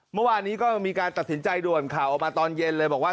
เมื่อวานนี้ก็มีการตัดสินใจด่วนข่าวออกมาตอนเย็นเลยบอกว่า